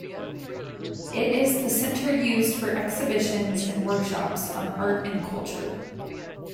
It is the center used for exhibitions and workshops on art and culture.